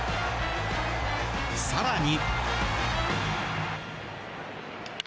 更に。